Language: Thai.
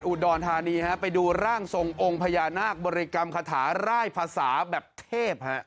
อุดรธานีฮะไปดูร่างทรงองค์พญานาคบริกรรมคาถาร่ายภาษาแบบเทพฮะ